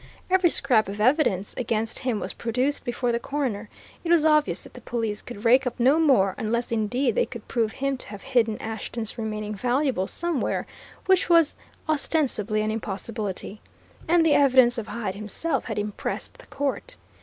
Every scrap of evidence against him was produced before the coroner: it was obvious that the police could rake up no more, unless indeed they could prove him to have hidden Ashton's remaining valuables somewhere which was ostensibly an impossibility. And the evidence of Hyde himself had impressed the court.